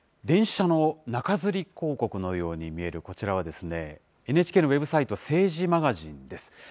電車の中づり広告のように見えるこちらは、ＮＨＫのウェブサイト、政治マガジンです。